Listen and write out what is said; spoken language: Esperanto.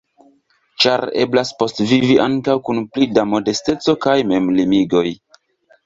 Ĉar eblas postvivi ankaŭ kun pli da modesteco kaj memlimigoj.